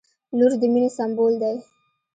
• لور د مینې سمبول دی.